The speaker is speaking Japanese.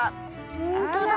ほんとだ。